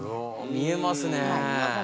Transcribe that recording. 見えますね。